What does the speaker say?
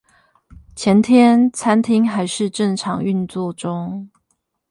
前天餐廳還是正常運作中